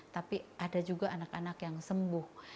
tapi ada juga anak anak yang sembuh